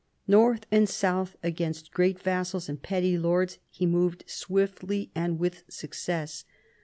North and south, against great vassals and petty lords, he moved swiftly and with success.